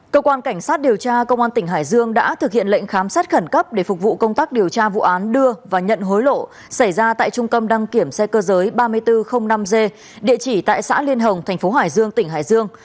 cơ quan cảnh sát điều tra công an tỉnh hải dương đã thực hiện lệnh khám xét khẩn cấp để phục vụ công tác điều tra vụ án đưa và nhận hối lộ xảy ra tại trung tâm đăng kiểm xe cơ giới ba nghìn bốn trăm linh năm g địa chỉ tại xã liên hồng thành phố hải dương tỉnh hải dương